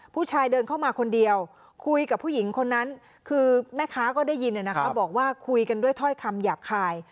ผู้ชายเดินเข้ามาคนเดียวคุยกับผู้หญิงคนนั้นคือแม่ค้าก็ได้ยินบอกว่าคุยกันด้วยถ้อยคำหยาบคาย